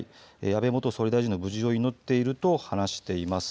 安倍元総理大臣の無事を祈っていると話しています。